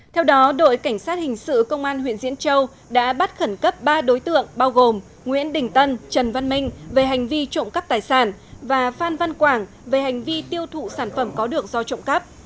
theo đó đội cảnh sát hình sự công an huyện diễn châu đã bắt khẩn cấp ba đối tượng bao gồm nguyễn đình tân trần văn minh về hành vi trộm cắp tài sản và phan văn quảng về hành vi tiêu thụ sản phẩm có được do trộm cắp